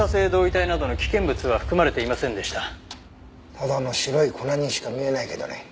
ただの白い粉にしか見えないけどね。